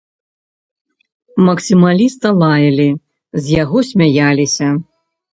Максімаліста лаялі, з яго смяяліся.